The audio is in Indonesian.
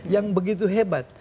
yang begitu hebat